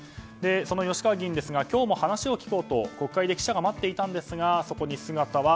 その吉川議員ですが今日も話を聞こうと国会で記者が待っていたんですがそこに姿は